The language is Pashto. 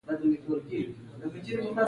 مړه ته د زړونو دعا نه تمېږي